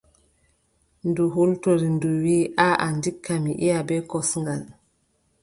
Ndu hultori. Ndu wiʼi: aaʼa ndikka mi iʼa bee kosngal.